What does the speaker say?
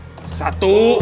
aduh aduh aduh